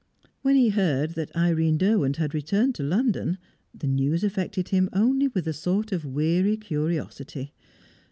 When he heard that Irene Derwent had returned to London, the news affected him only with a sort of weary curiosity.